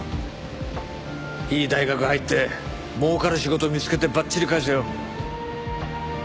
いい大学入って儲かる仕事見つけてばっちり返せよ。